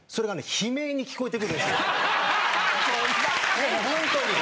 いやホントに！